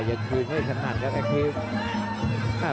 พยายามจะไถ่หน้านี่ครับการต้องเตือนเลยครับ